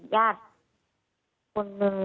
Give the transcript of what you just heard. ญาติคนหนึ่ง